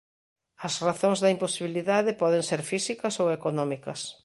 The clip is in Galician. As razóns da imposibilidade poden ser físicas ou económicas.